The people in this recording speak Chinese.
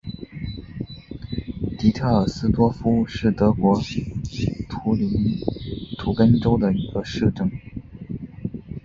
迪特尔斯多夫是德国图林根州的一个市镇。